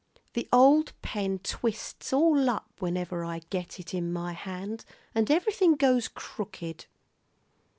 "The old pen twists all up whenever I get it in my hand, and everything goes crooked."